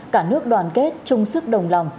cả nước đoàn kết chung sức đồng lòng